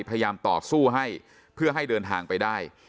พยายามต่อสู้ให้เพื่อให้เดินทางไปได้